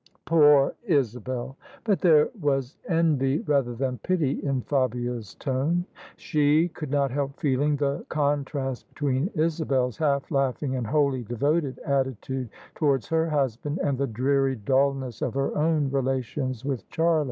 "Poor Isabel!" But there was envy rather than pity in Fabia's tone. She could not help feeling the contrast between Isabel's half laughing and wholly devoted attitude towards her husband, and the dreary dullness of her own relations with Charlie.